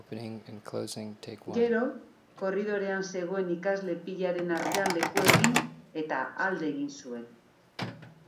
Baina zer nolako betaurrekoak ikusiko dira datorren udan?